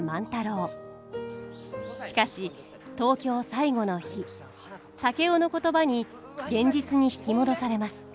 しかし東京最後の日竹雄の言葉に現実に引き戻されます。